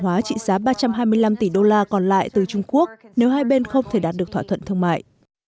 hóa trị giá ba trăm hai mươi năm tỷ đô la còn lại từ trung quốc nếu hai bên không thể đạt được thỏa thuận thương mại